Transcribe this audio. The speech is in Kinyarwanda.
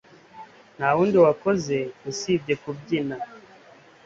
Ntawundi wakoze usibye kubyina